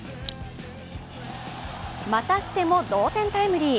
またしても同点タイムリー。